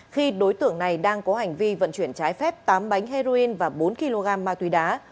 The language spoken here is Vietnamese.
khi đối tượng này đang có hành vi vận chuyển trái phép tám bánh heroin và bốn kg ma túy đá